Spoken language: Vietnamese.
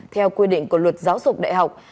theo quy định của luật giáo dục đại học